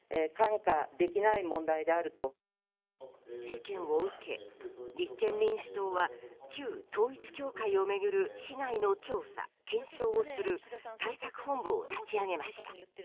事件を受け、立憲民主党は旧統一教会を巡る被害の調査、検証をする対策本部を立ち上げました。